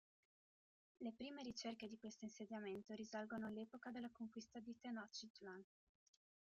Le prime ricerche di questo insediamento risalgono all'epoca della conquista di Tenochtitlán.